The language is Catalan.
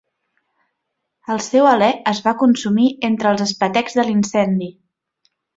El seu alè es va consumir entre els espetecs de l'incendi.